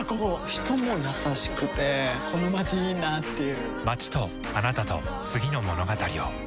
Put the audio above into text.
人も優しくてこのまちいいなぁっていう